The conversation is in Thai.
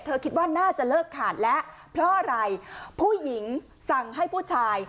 คิดว่าน่าจะเลิกขาดแล้วเพราะอะไรผู้หญิงสั่งให้ผู้ชาย